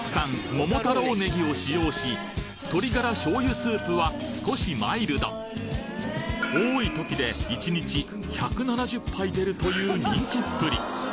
桃太郎ねぎを使用し鶏ガラ醤油スープは少しマイルド多い時で１日１７０杯出るという人気っぷり